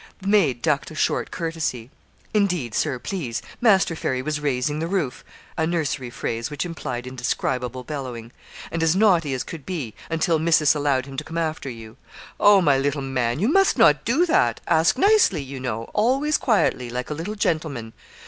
The maid ducked a short courtesy. 'Indeed, Sir, please, Master Fairy was raising the roof (a nursery phrase, which implied indescribable bellowing), and as naughty as could be, until missis allowed him to come after you.' 'Oh! my little man, you must not do that. Ask nicely, you know; always quietly, like a little gentleman.'